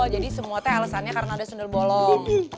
jadi semua alesannya karena sundar bolong